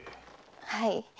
はい。